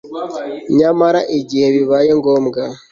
Nyamara igihe bibaye ngombwa